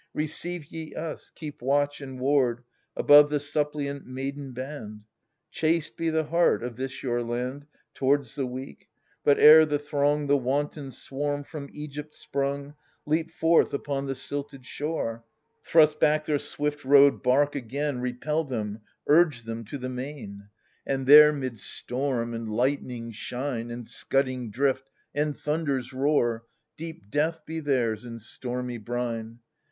^ Receive ye us — keep watch and ward Above the suppliant maiden band ! Chaste be the heart of this your land Towards the weak ! but, ere the throng, The wanton swarm, from Egypt sprung, Leap forth upon the silted shore. Thrust back their swift rowed bark again, Repel them, urge them to the main ! THE SUPPLIANT MAIDENS. ^^ And there, 'mid storm and lightning's shine, And scudding drift and thunder's roar. Deep death be theirs, in stormy brine